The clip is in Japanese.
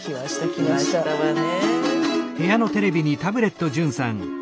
来ましたわね。